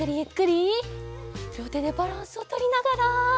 りょうてでバランスをとりながら。